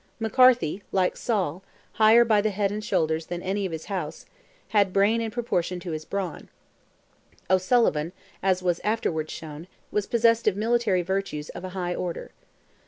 McCarthy "like Saul, higher by the head and shoulders than any of his house," had brain in proportion to his brawn; O'Sullivan, as was afterwards shown, was possessed of military virtues of a high order.